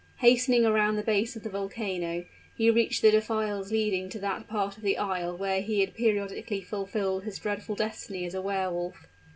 Hastening around the base of the volcano, he reached the defiles leading to that part of the isle where he had periodically fulfilled his dreadful destiny as a Wehr Wolf.